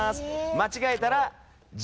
間違えたら。